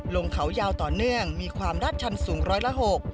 ลงเขายาวต่อเนื่องมีความราดชันสูงร้อยละหก